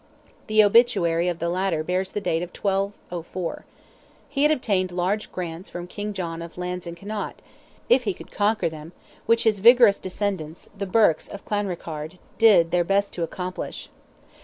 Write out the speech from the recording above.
The obituary of the latter bears the date of 1204. He had obtained large grants from King John of lands in Connaught—if he could conquer them—which his vigorous descendants, the Burkes of Clanrickarde, did their best to accomplish.